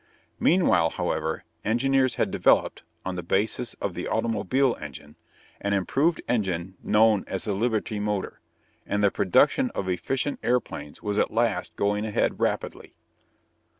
Meanwhile, however, engineers had developed, on the basis of the automobile engine, an improved engine known as the Liberty Motor, and the production of efficient airplanes was at last going ahead rapidly.